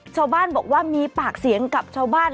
ชาวบ้านบอกว่ามีปากเสียงกับชาวบ้าน